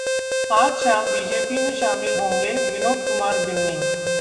आज शाम बीजेपी में शामिल होंगे विनोद कुमार बिन्नी